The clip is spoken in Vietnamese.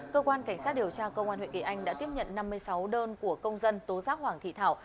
cơ quan cảnh sát điều tra công an huyện kỳ anh đã tiếp nhận năm mươi sáu đơn của công dân tố giác hoàng thị thảo